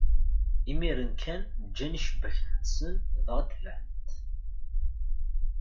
Imiren kan, ǧǧan icebbaken-nsen, dɣa tebɛen-t.